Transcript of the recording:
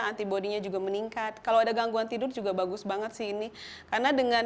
antibody nya juga meningkat kalau ada gangguan tidur juga bagus banget sih ini karena dengan